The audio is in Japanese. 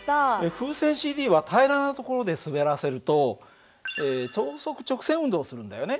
風船ＣＤは平らなところで滑らせると等速直線運動をするんだよね。